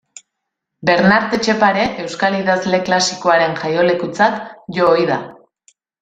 Bernart Etxepare euskal idazle klasikoaren jaiolekutzat jo ohi da.